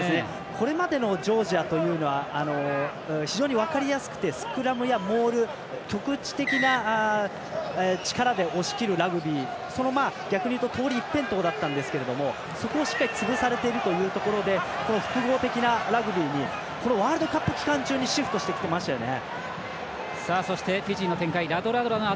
これまでのジョージアというのは非常に分かりやすくてスクラムやモール、局地的な力で押し切るラグビー、逆に言うと通り一遍等だったんですがそこをしっかり潰されているということで複合的なラグビーにワールドカップ期間中にシフトしてきましたよね。